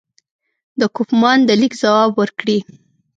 د کوفمان د لیک ځواب ورکړي.